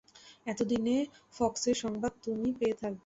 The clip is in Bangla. এতদিনে ফক্সের সংবাদ তুমি পেয়ে থাকবে।